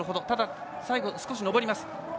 ただ、最後少し上ります。